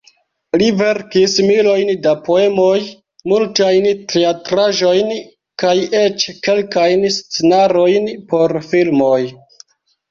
Li verkis milojn da poemoj, multajn teatraĵojn, kaj eĉ kelkajn scenarojn por filmoj.